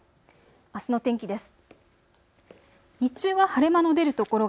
あすの天気です。